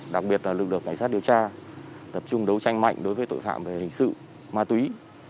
đặc biệt là lực lượng cảnh sát điều tra tập trung đấu tranh mạnh đối với tội phạm về hình sự ma túy